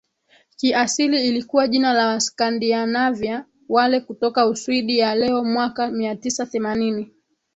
kiasili ilikuwa jina la Waskandinavia wale kutoka Uswidi ya leoMwaka mia tisa themanini